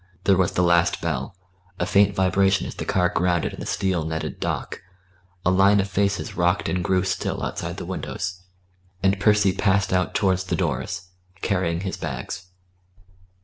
There was the last bell, a faint vibration as the car grounded in the steel netted dock; a line of faces rocked and grew still outside the windows, and Percy passed out towards the doors, carrying his bags.